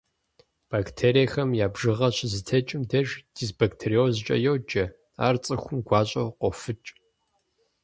Бактериехэм я бжыгъэр щызэтекӏым деж дисбактериозкӏэ йоджэ, ар цӏыхум гуащӏэу къофыкӏ.